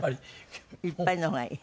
いっぱいの方がいい？